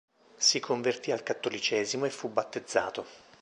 Si convertì al cattolicesimo e fu battezzato.